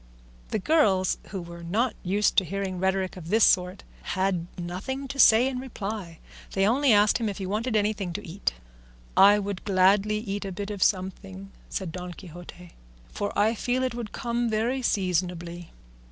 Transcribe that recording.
The girls, who were not used to hearing rhetoric of this sort, had nothing to say in reply; they only asked him if he wanted anything to eat. "I would gladly eat a bit of something," said Don Quixote, "for I feel it would come very seasonably."